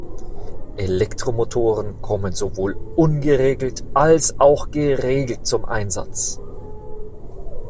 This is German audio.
Elektromotoren kommen sowohl ungeregelt als auch geregelt zum Einsatz.